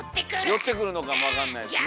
寄ってくるのかも分かんないですねえ。